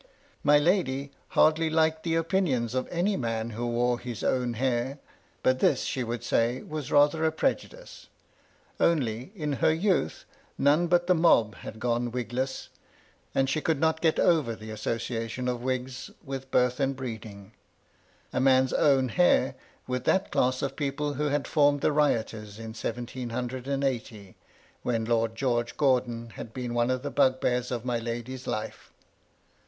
My lady hardly liked the opinions of any man who wore his own hair ; but this she would say was rather a pre judice : only in her youth none but the mob had gone wigless, and she could not get over the association of wigs with birth and breeding ; a man's own hair with that class of people who had formed the rioters in seventeen hundred and eighty, when Lord George Gordon had been one of the bugbears of my lady's life.